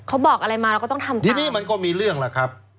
เขาบอกอะไรมาแล้วต้องทำก็มีเรื่องครับ